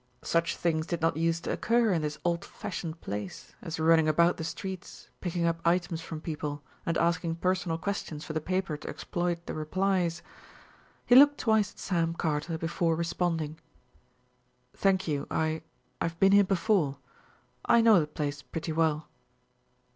Such things did not use to occur in this old fashioned place as running about the streets picking up items from people and asking personal questions for the paper to exploit the replies. He looked twice at Sam Carter before responding. "Thank you, I I've been here before. I know the place pretty well."